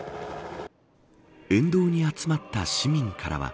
沿道に集まった市民からは。